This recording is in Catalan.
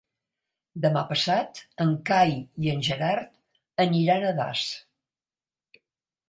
Demà passat en Cai i en Gerard aniran a Das.